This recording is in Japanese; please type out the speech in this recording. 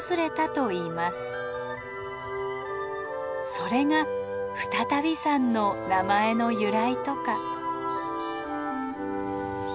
それが再度山の名前の由来とか。